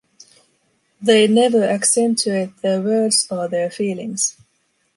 They never accentuate their words or their feelings.